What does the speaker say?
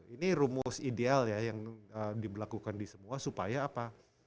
ini rumus ideal ya yang diberlakukan di semua supaya apa